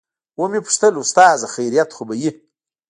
ومې پوښتل استاده خيريت خو به وي.